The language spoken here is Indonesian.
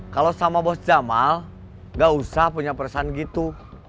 kalau sama bos jamal gak usah punya perasaan gitu